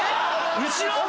後ろ？